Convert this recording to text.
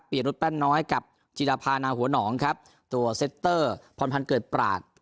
เปลี่ยนรุ่นแป้นน้อยกับจีดาพานาหัวหนองครับตัวเซ็ตเตอร์พรพันธ์เกิดปราศ